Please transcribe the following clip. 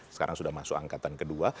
sekarang sudah masuk angkatan kedua